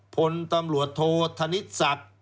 พตโทธนิสัตว์